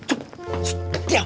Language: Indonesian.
dia keluar neng neng